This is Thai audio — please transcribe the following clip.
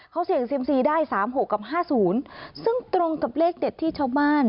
เขาเสี่ยงเซียมซีได้๓๖กับ๕๐ซึ่งตรงกับเลขเด็ดที่ชาวบ้าน